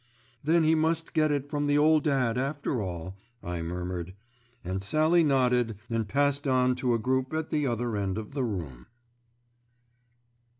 "Then he must get it from the Old Dad after all," I murmured, and Sallie nodded and passed on to a group at the other end of the room.